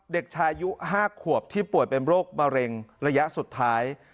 เด็กชายอายุ๕ขวบที่ป่วยเป็นโรคมะเร็งระยะสุดท้าย